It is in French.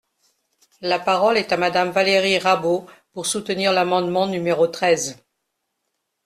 La parole est à Madame Valérie Rabault, pour soutenir l’amendement numéro treize.